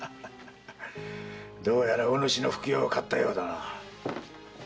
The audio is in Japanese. どうやらお主の不興を買ったようだな。